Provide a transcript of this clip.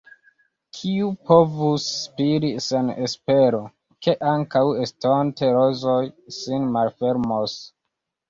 Kiu povus spiri sen espero, ke ankaŭ estonte rozoj sin malfermos.